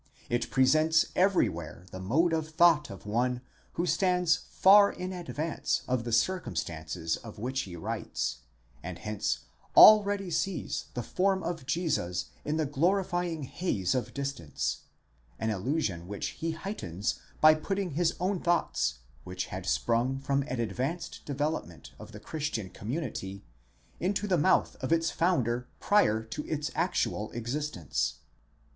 It presents everywhere the mode of thought of one who stands far in advance of the circumstances of which he writes, and hence already sees the form of Jesus in the glorifying haze of distance ; an illusion which he heightens by putting his own thoughts, which had sprung from an advanced develop ment of the Christian community, into the mouth of its Founder prior to its actual existence.